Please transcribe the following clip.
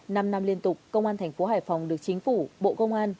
năm năm liên tục công an thành phố hải phòng được chính phủ bộ công an